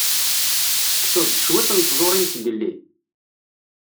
Tekkseḍ-d cwiṭ n tẓuṛin zgelli?